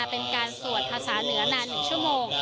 เป็นการสวดภาษาเหนือนาน๑ชั่วโมง